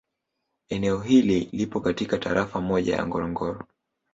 Eneo hili lipo katika Tarafa moja ya Ngorongoro